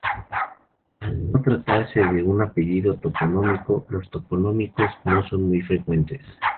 Al no tratarse de un apellido toponímico, los topónimos no son muy frecuentes.